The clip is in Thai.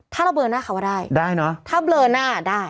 ถ้าเราเบลอหน้าเขาก็ได้ได้เนอะถ้าเบลอหน้าได้